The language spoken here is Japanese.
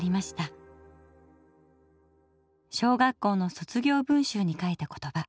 小学校の卒業文集に書いた言葉。